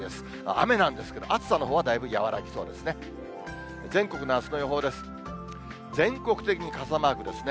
雨なんですけど、暑さのほうはだいぶ和らぎそうですね。